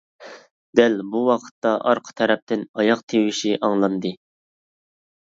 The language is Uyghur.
دەل بۇ ۋاقىتتا ئارقا تەرەپتىن ئاياق تىۋىشى ئاڭلاندى.